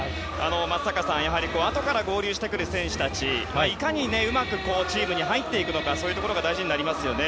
松坂さん、やはりあとから合流してくる選手たちいかにうまくチームに入っていくのかそういうところが大事になりますよね。